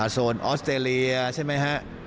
ส่วนออสเตรเลียใช่ไหมฮะ